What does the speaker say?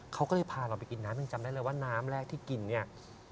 เขาก็เลยพาเราไปกินน้ำยังจำได้เลยว่าน้ำแรกที่กินเนี่ย